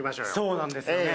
そうなんですよね